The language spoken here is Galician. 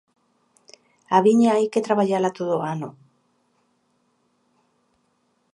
A viña hai que traballala todo o ano.